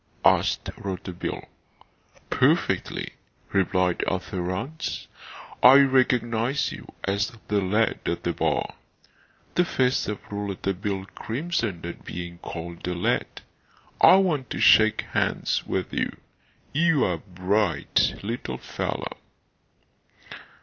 asked Rouletabille. "Perfectly!" replied Arthur Rance. "I recognise you as the lad at the bar. [The face of Rouletabille crimsoned at being called a "lad."] I want to shake hands with you. You are a bright little fellow."